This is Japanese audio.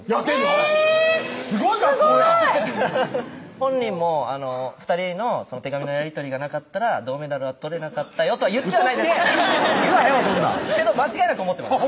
本人も「２人の手紙のやり取りがなかったら銅メダルは取れなかったよ」とはウソつけ言わへんわそんなん間違いなく思ってます